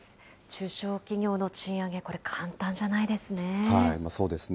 中小企業の賃上げ、これ、簡単じそうですね。